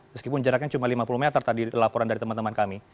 meskipun jaraknya cuma lima puluh meter tadi laporan dari teman teman kami